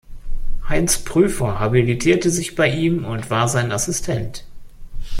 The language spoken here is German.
Heinz Prüfer habilitierte sich bei ihm und war sein Assistent.